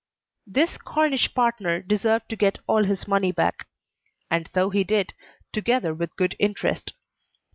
This Cornish partner deserved to get all his money back; and so he did, together with good interest.